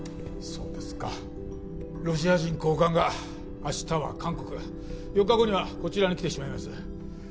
そうですかロシア人高官が明日は韓国４日後にはこちらに来てしまいます